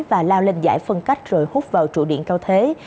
và lao lên giải phân cách rồi hút vào trụ điện cao thế